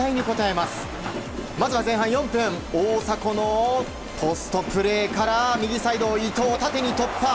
まずは前半４分大迫のポストプレーから右サイド、伊東縦に突破！